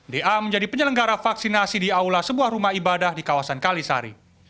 da menjadi penyelenggara vaksinasi di aula sebuah rumah ibadah di kawasan kalisari